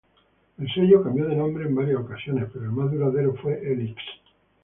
El sello cambió de nombre en varias ocasiones, pero el más duradero fue Helix.